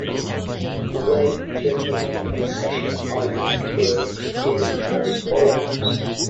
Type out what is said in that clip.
The way generating a session id works is as follows.